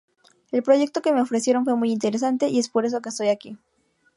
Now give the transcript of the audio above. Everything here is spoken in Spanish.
El proyecto que me ofrecieron fue muy interesante y es por eso estoy aquí.